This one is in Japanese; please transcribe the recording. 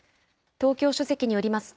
東京書籍によりますと、